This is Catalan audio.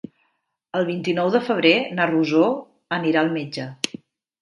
El vint-i-nou de febrer na Rosó anirà al metge.